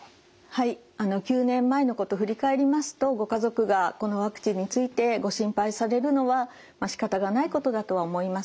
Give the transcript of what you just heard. はい９年前のこと振り返りますとご家族がこのワクチンについてご心配されるのはしかたがないことだとは思います。